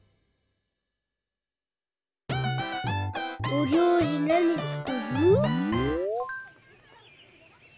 おりょうりなにつくる？